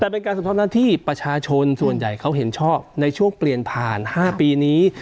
แต่เป็นการสะท้อนหน้าที่ประชาชนส่วนใหญ่เขาเห็นชอบในช่วงเปลี่ยนผ่าน๕ปีนี้